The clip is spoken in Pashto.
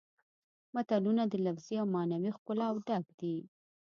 متلونه د لفظي او معنوي ښکلاوو ډک دي